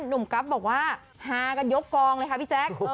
กรับบอกว่าฮากันยกกองเลยค่ะพี่แจ๊ค